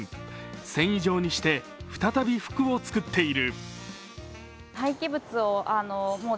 繊維状にして再び服を作っている。